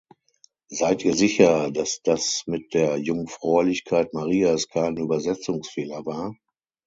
Seid ihr sicher, dass das mit der Jungfräulichkeit Marias kein Übersetzungsfehler war?